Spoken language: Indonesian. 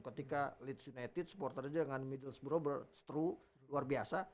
ketika leeds united supporternya dengan middlesbrough seteru luar biasa